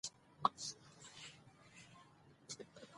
اوس به راشم د ناول تخنيکي بوخو باندې ړنا اچوم